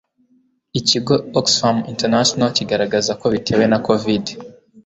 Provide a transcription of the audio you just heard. ikigo oxfam international, kigaragaza ko bitewe na covid-